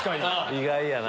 意外やな。